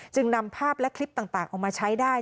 นำภาพและคลิปต่างออกมาใช้ได้